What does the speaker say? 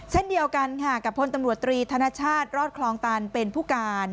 เช่นเดียวกันค่ะกับพลตำรวจตรีธนชาติรอดคลองตันเป็นผู้การ